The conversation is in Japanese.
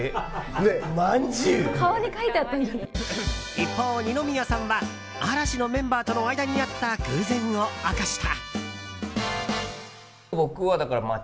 一方、二宮さんは嵐のメンバーとの間にあった偶然を明かした。